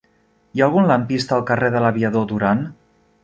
Hi ha algun lampista al carrer de l'Aviador Durán?